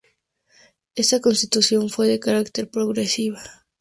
Esta Constitución fue de carácter progresista.